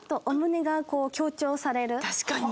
確かに！